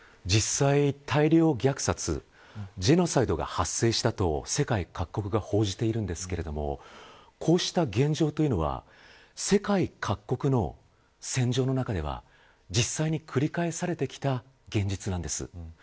実際、大量虐殺ジェノサイドが発生したと世界各国が報じていますがこうした現状というのは世界各国の戦場の中では実際に繰り返されてきた現実なんです。